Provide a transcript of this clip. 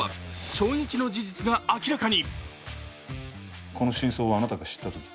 衝撃の事実が明らかに。